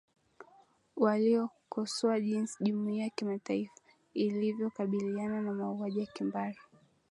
walikosoa jinsi jumuiya ya kimataifa ilivyokabiliana na mauaji ya kimbari